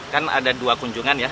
kan ada dua kunjungan ya